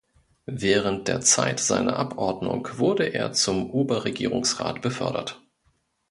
Während der Zeit seiner Abordnung wurde er zum Oberregierungsrat befördert.